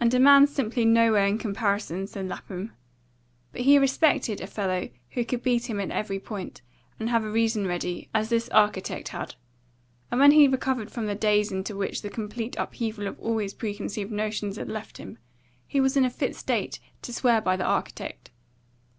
"And a man's simply nowhere in comparison," said Lapham. But he respected a fellow who could beat him at every point, and have a reason ready, as this architect had; and when he recovered from the daze into which the complete upheaval of all his preconceived notions had left him, he was in a fit state to swear by the architect.